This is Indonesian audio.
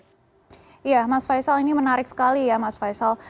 iya mas faisal ini menarik sekali ya mas faisal